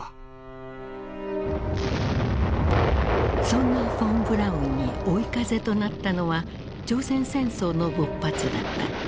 そんなフォン・ブラウンに追い風となったのは朝鮮戦争の勃発だった。